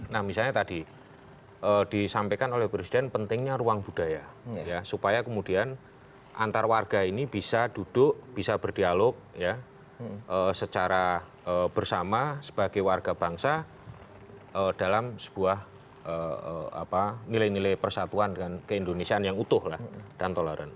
nah misalnya tadi disampaikan oleh presiden pentingnya ruang budaya supaya kemudian antar warga ini bisa duduk bisa berdialog secara bersama sebagai warga bangsa dalam sebuah nilai nilai persatuan dan keindonesian yang utuh dan toleran